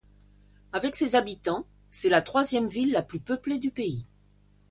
Avec ses habitants c'est la troisième ville la plus peuplée du pays.